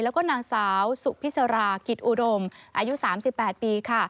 แล้วก็นางสาวสุพิษรากิจอุดมอายุ๓๘ปีค่ะ